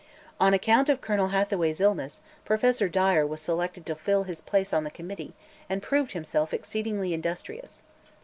On account of Colonel Hathaway's illness, Professor Dyer was selected to fill his place on the Committee and proved himself exceedingly industrious.